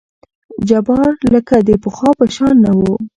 جبار لکه د پخوا په شان نه وو.